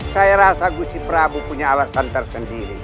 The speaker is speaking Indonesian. saya rasa guci prabu punya alasan tersendiri